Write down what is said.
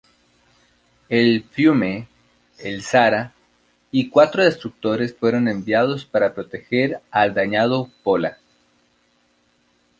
El "Fiume", el "Zara", y cuatro destructores fueron enviados para proteger al dañado "Pola".